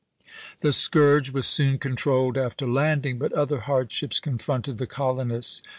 The scourge was soon controlled after landing, but other hardships confronted the colonists.